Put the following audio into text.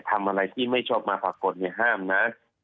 ทำอะไรที่ไม่ชอบมาปรากฏเนี่ยห้ามนะ